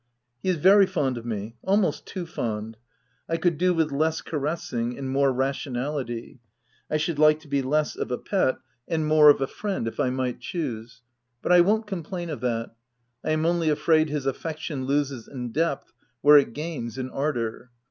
He is very fond of me — almost too fond. I could do with less caressing and more ration ality : I should like to be less of a pet and 68 THE TENANT more of a friend, if I might choose — but I won't complain of that : I am only afraid his affection loses in depth where it gains in ardour.